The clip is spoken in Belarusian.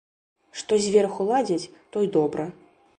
Што зверху ладзяць, то і добра.